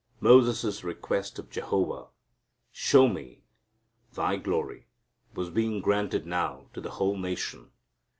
Moses' request of Jehovah, "Show me ... Thy glory," was being granted now to the whole nation.